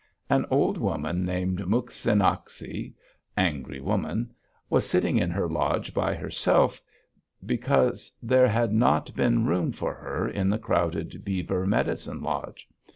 An old woman, named Muk sin ah´ ki (Angry Woman), was sitting in her lodge by herself because there had not been room for her in the crowded beaver medicine lodge.